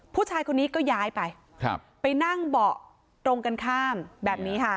ผู้ชายคนนี้ก็ย้ายไปไปนั่งเบาะตรงกันข้ามแบบนี้ค่ะ